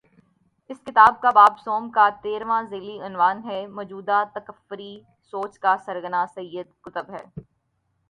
اس کتاب کے باب سوم کا تیرھواں ذیلی عنوان ہے: موجودہ تکفیری سوچ کا سرغنہ سید قطب ہے۔